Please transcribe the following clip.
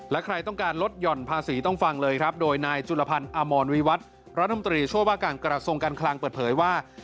และใครต้องการลดห่อนภาษีต้องฟังเลยครับโดยนายจุลพันธ์อมรวิวัตรรัฐมนตรีช่วยว่าการกระทรวงการคลังเปิดเผยว่า